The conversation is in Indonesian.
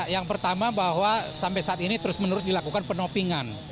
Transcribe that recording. yang pertama bahwa sampai saat ini terus menerus dilakukan penopingan